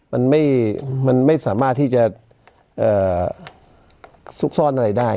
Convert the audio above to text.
มันไม่มันไม่สามารถที่จะเอ้อซึ้งซ่อนอะไรได้